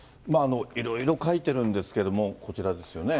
いろいろ書いてるんですけれども、こちらですよね。